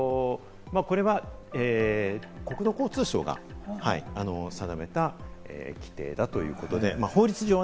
これは国土交通省が定めた規定だということで、法律上は。